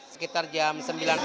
sekitar jam sembilan